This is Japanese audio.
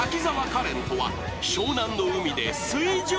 カレンとは湘南の海で水上バトル］